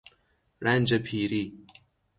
رنج پیری